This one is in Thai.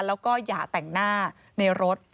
แล้วก็อย่าแต่งหน้าในรถ